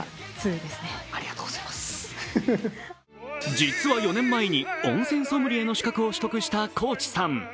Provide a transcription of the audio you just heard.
実は４年前に温泉ソムリエの資格を取得した高地さん。